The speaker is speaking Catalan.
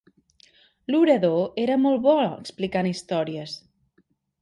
L'orador era molt bo explicant històries.